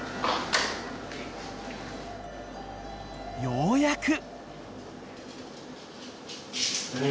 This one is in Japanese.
［ようやく］